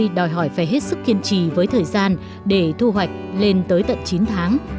đây đòi hỏi phải hết sức kiên trì với thời gian để thu hoạch lên tới tận chín tháng